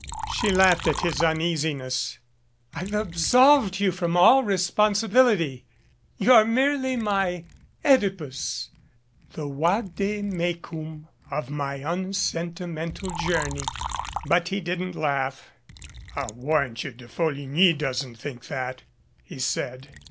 She laughed at his uneasiness. "I've absolved you from all responsibility. You are merely my CEdipus, the vade mecum of my unsentimental journey." But he didn't laugh. 162 DANGER "I'll warrant you De Folligny doesn't think that," he said.